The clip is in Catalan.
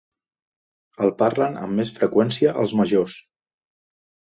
El parlen amb més freqüència els majors.